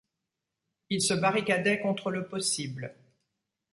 Il se barricadait contre le possible.